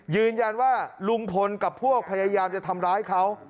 ยืนยันว่าลุงพลกับพวกพยายามจะทำร้ายเขา